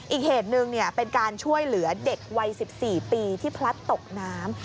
อีกเหตุหนึ่งเป็นการช่วยเหลือเด็กวัย๑๔ปีที่พลัดตกน้ำ